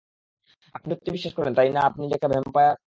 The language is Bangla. আপনি সত্যি বিশ্বাস করেন, তাই না, আপনি যে একটা ভ্যাম্পায়ার?